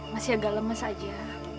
masih agak lemes aja